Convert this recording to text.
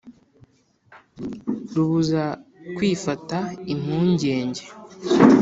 rubuza kwifata impungenge